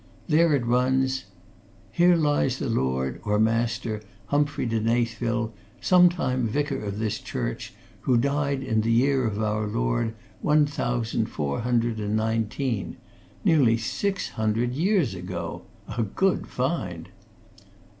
"There it runs 'Here lies the lord, or master, Humphrey de Knaythville, sometime vicar of this church, who died in the year of our Lord one thousand four hundred and nineteen' nearly six hundred years ago! A good find!"